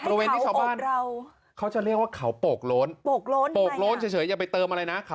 ไปพิษศนุโลกไข้ปลูกโลนสวยสวยมาก